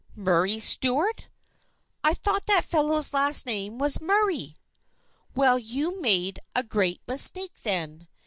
"Murray Stuart? I thought that fellow's last name was Murray !"" Well, you made a great mistake then.